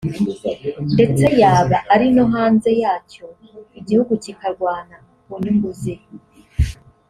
ndetse yaba ari no hanze yacyo igihugu kikarwana ku nyungu ze